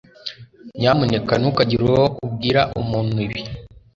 Nyamuneka ntukagire uwo ubwira umuntu ibi